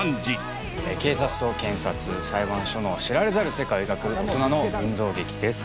警察と検察裁判所の知られざる世界を描く大人の群像劇です。